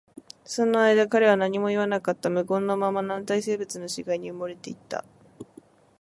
その間、彼は何も言わなかった。無言のまま、軟体生物の死骸に埋もれていった。